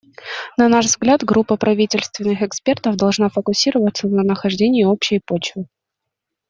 На наш взгляд, группа правительственных экспертов должна фокусироваться на нахождении общей почвы.